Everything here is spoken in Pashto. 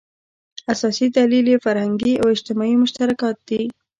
اساسي دلیل یې فرهنګي او اجتماعي مشترکات دي.